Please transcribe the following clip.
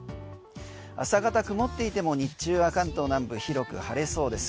朝方曇っていても、日中は関東南部、広く晴れそうです。